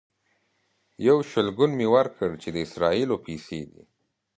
یو شلګون مې ورکړ چې د اسرائیلو پیسې دي.